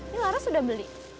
nih laras udah beli